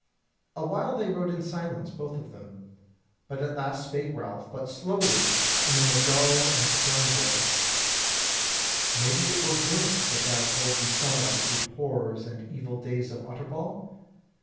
A while they rode in silence, both of them: but at last spake Ralph, but slowly and in a dull and stern voice: "Maybe it were good that thou told me somewhat of the horrors and evil days of Utterbol?"